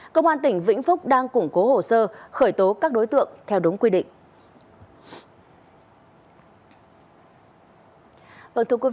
cơ quan tỉnh vĩnh phúc đang củng cố hồ sơ khởi tố các đối tượng theo đúng quy định